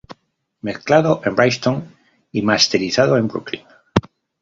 Mezclado en Brighton y masterizado en Brooklyn.